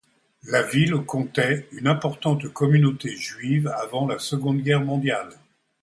La ville comptait une importante communauté juive avant la Seconde Guerre mondiale.